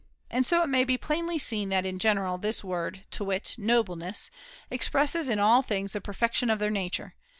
And so it may be plainly seen that in general this word, to wit * nobleness,' expresses in all things the perfection of their nature.